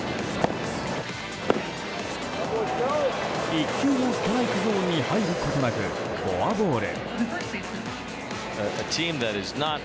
１球もストライクゾーンに入ることなくフォアボール。